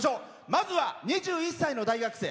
まずは２１歳の大学生。